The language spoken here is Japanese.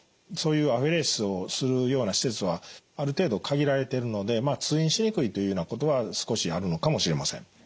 そういうアフェレシスをするような施設はある程度限られてるので通院しにくいというようなことは少しあるのかもしれません。